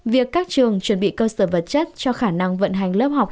việc các trường chuẩn bị cơ sở vật chất cho khả năng vận hành lớp học